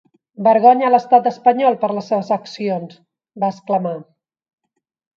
Vergonya a l’estat espanyol per les seves accions!, va exclamar.